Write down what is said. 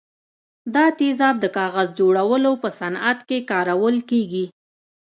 دا تیزاب د کاغذ جوړولو په صنعت کې کارول کیږي.